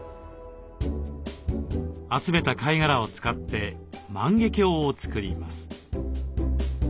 集めた貝殻を使って万華鏡を作ります。